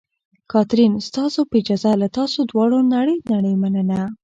کاترین: ستاسو په اجازه، له تاسو دواړو نړۍ نړۍ مننه.